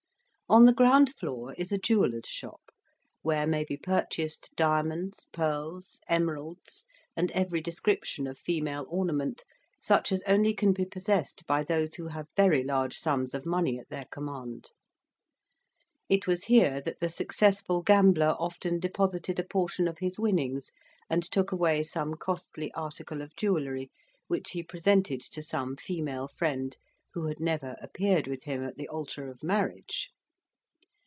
On the ground floor is a jeweller's shop, where may be purchased diamonds, pearls, emeralds, and every description of female ornament, such as only can be possessed by those who have very large sums of money at their command. It was here that the successful gambler often deposited a portion of his winnings, and took away some costly article of jewellery, which he presented to some female friend who had never appeared with him at the altar of marriage.